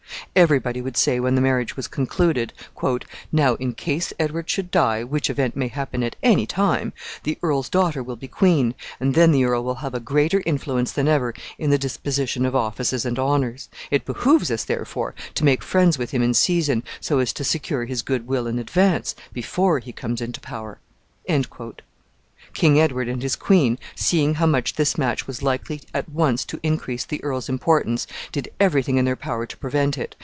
Every body would say when the marriage was concluded, "Now, in case Edward should die, which event may happen at any time, the earl's daughter will be queen, and then the earl will have a greater influence than ever in the disposition of offices and honors. It behooves us, therefore, to make friends with him in season, so as to secure his good will in advance, before he comes into power." King Edward and his queen, seeing how much this match was likely at once to increase the earl's importance, did every thing in their power to prevent it.